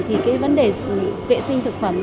thì cái vấn đề vệ sinh thực phẩm